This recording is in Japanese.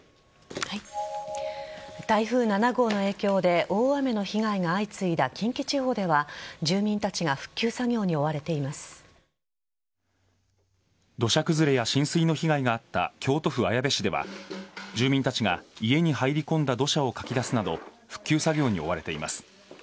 台風７号の影響で大雨の被害が相次いだ近畿地方では住民たちが土砂崩れや浸水の被害があった京都府綾部市では住民たちが家に入り込んだ土砂をかき出すなど復旧作業に追われています。